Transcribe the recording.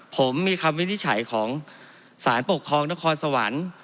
ผมมีคำวินิจฉัยของสารปกครองนครสวรรค์